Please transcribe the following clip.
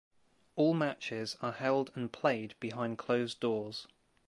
All matches are held and played behind closed doors.